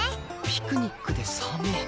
ピクニックでサメ。